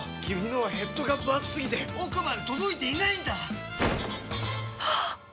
君のはヘッドがぶ厚すぎて奥まで届いていないんだっ！